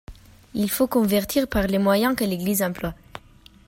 Il faut convertir par les moyens que l'Église emploie.